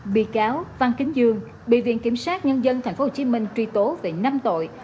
bị cáo văn kính dương bị viện kiểm sát nhân dân tp hcm truy tố về năm tội